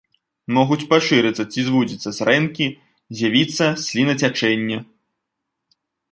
Могуць пашырыцца ці звузіцца зрэнкі, з'явіцца слінацячэнне.